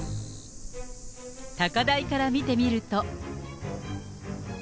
高台から見てみると。